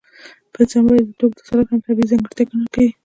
په انسان باندې د توکو تسلط هم طبیعي ځانګړتیا ګڼل کېږي